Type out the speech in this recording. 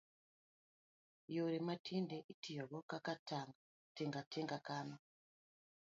Yore ma tinde itiyogo kaka tinga tinga, kano